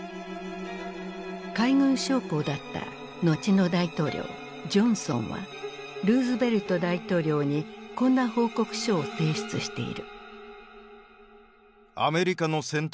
海軍将校だった後の大統領ジョンソンはルーズベルト大統領にこんな報告書を提出している。